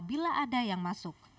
tidak ada yang masuk